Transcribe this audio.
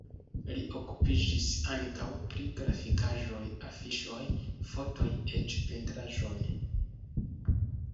Li okupiĝis ankaŭ pri grafikaĵoj, afiŝoj, fotoj, eĉ pentraĵoj.